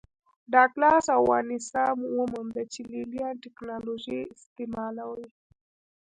ډاګلاس او وانسینا ومونده چې لې لیان ټکنالوژي استعملوي